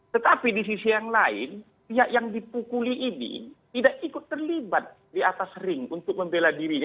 tetapi di sisi yang lain pihak yang dipukuli ini tidak ikut terlibat di atas ring untuk membela dirinya